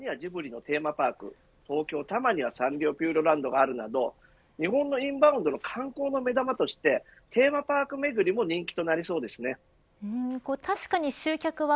日本は東にディズニーランド西にＵＳＪ、愛知や三鷹にはジブリのテーマパーク東京、多摩にはサンリオピューロランドがあるなど日本のインバウンドの観光の目玉としてテーマパークめぐりも人気となりそうです。